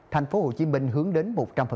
tp hcm hướng đến một trăm linh